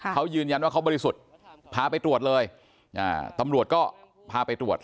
เขายืนยันว่าเขาบริสุทธิ์พาไปตรวจเลยตำรวจก็พาไปตรวจ